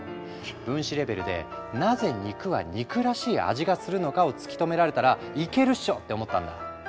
分子レベルでなぜ肉は肉らしい味がするのかを突き止められたらいけるっしょ！って思ったんだ。